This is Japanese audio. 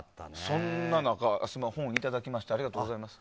そんな中、本をいただきましてありがとうございます。